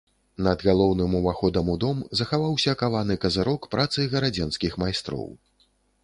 Над галоўным уваходам у дом захаваўся каваны казырок працы гарадзенскіх майстроў.